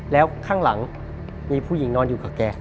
แล้วข้างหลังมีผู้หญิงนอนอยู่กับแก